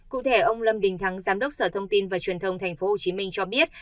cụ thể ông lâm đình thắng giám đốc sở thông tin và truyền thông tp hcm cho biết